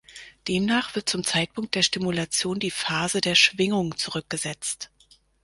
Demnach wird zum Zeitpunkt der Stimulation die Phase der Schwingung zurückgesetzt.